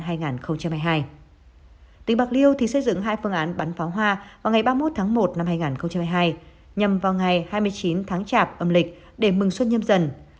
tỉnh bạc liêu thì xây dựng hai phương án bắn pháo hoa vào ngày ba mươi một tháng một năm hai nghìn hai mươi hai nhằm vào ngày hai mươi chín tháng chạp âm lịch để mừng xuân nhâm dần